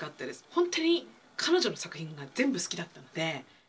本当に彼女の作品が全部好きだったので。